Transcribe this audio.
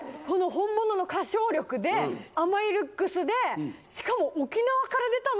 この本物の歌唱力で甘いルックスでしかも。